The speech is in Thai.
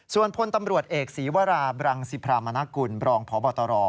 ส่วนพลตำรวจเอกศีวราบรังสิพรามณกุลบรองพบตร